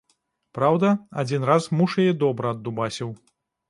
Праўда, адзін раз муж яе добра аддубасіў.